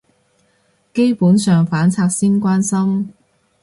基本上反賊先關心